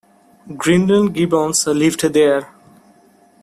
Grinling Gibbons lived there.